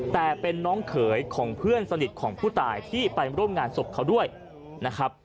แต่เป็นน้องเขยของเพื่อนสนิทของผู้ตายที่ไปร่วมงานศพเขาด้วยนะครับ